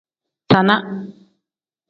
Zaana.